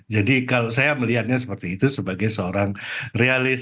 jadi kalau saya melihatnya seperti itu sebagai seorang realis